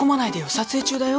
撮影中だよ